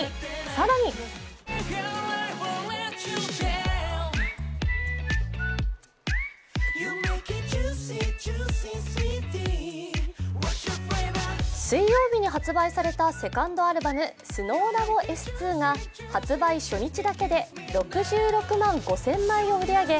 更に水曜日に発売されたセカンドアルバム「ＳｎｏｗＬａｂｏ．Ｓ２」が発売初日だけで６６万５０００枚を売り上げ